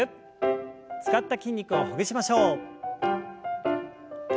使った筋肉をほぐしましょう。